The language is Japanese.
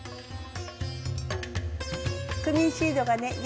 クミンシードがね